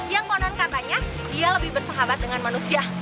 yang konon katanya dia lebih bersahabat dengan manusia